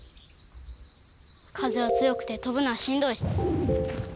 風は強くて飛ぶのはしんどいし。